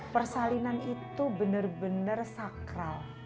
persalinan itu benar benar sakral